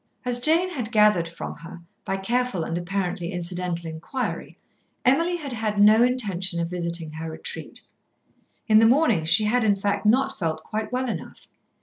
As Jane had gathered from her, by careful and apparently incidental inquiry, Emily had had no intention of visiting her retreat. In the morning she had, in fact, not felt quite well enough.